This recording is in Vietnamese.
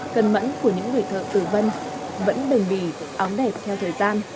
cân mẫn của những người thợ tử vân vẫn bình bì áo đẹp theo thời gian